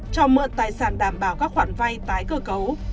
cho mượn tài sản đảm bảo các khoản vay tái cơ cấu